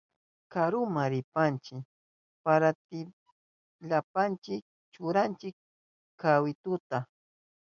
Karuma rinanchipa parantillashpanchi churanchi kawituta.